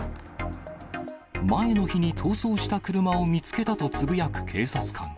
前の日に逃走した車を見つけたとつぶやく警察官。